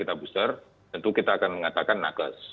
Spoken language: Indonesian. tentu kita akan mengatakan nakas